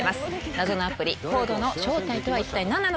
謎のアプリＣＯＤＥの正体とは一体何なのか？